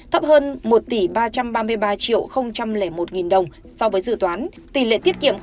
thấp hơn một ba trăm ba mươi ba một đồng so với dự toán tỷ lệ tiết kiệm hai mươi bảy